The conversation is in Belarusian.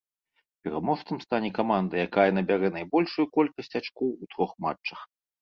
Пераможцам стане каманда, якая набярэ найбольшую колькасць ачкоў у трох матчах.